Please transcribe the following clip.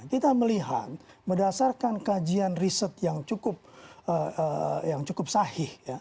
kita melihat berdasarkan kajian riset yang cukup sahih